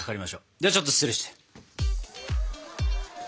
ではちょっと失礼して。